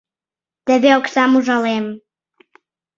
— Теве оксам ужалем.